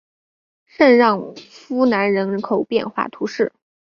圣让夫兰人口变化图示